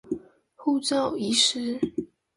護照遺失